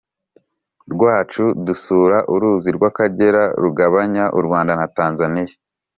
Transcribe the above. rwacu dusura uruzi rw’Akagera rugabanya u Rwanda na Tanzaniya.